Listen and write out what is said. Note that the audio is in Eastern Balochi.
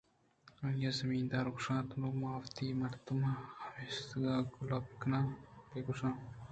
آئی (زمیندار)ءَ گوٛشت نوں من وتی مردمءُ ہمساہگاں کُلہ بِہ کناںءُ بُہ گوٛشاں